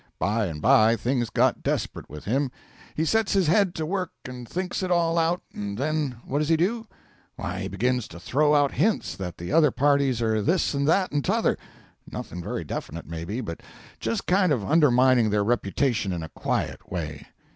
By and by things got desperate with him; he sets his head to work and thinks it all out, and then what does he do? Why he begins to throw out hints that the other parties are this and that and t'other, nothing very definite, may be, but just kind of undermining their reputation in a quiet way.